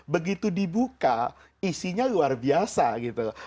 begitu dibuka isinya luar biasa gitu loh